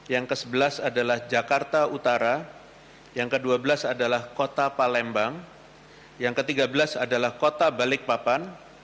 yang kesebelas adalah jakarta utara yang kedua belas adalah kota palembang yang ketiga belas adalah kota balikpapan